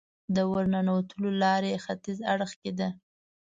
د ورننوتو لاره یې ختیځ اړخ کې ده.